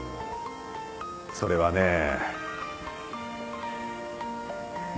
それはねぇ。